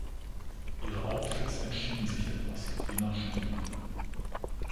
Ihre Outfits entschieden sich etwas, je nach Spiel.